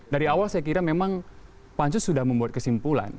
dari awal saya kira memang pansus sudah membuat kesimpulan